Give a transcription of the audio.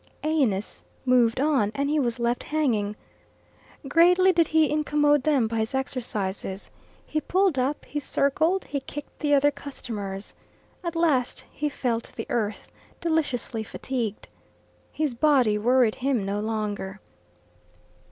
Aeneas moved on and he was left hanging. Greatly did he incommode them by his exercises. He pulled up, he circled, he kicked the other customers. At last he fell to the earth, deliciously fatigued. His body worried him no longer.